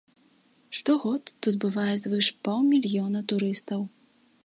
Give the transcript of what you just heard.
Штогод тут бывае звыш паўмільёна турыстаў.